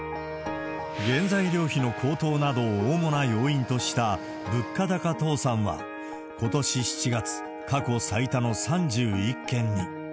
原材料費の高騰などを主な要因とした物価高倒産は、ことし７月、過去最多の３１件に。